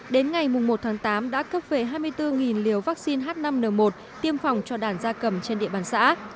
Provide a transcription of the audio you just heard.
đến ngày một tháng tám đã cấp về hai mươi bốn liều vaccine h năm n một tiêm phòng cho đàn da cầm trên địa bàn xã